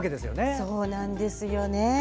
そうなんですよね。